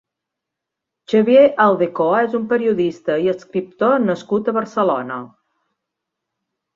Xavier Aldekoa és un periodista i escriptor nascut a Barcelona.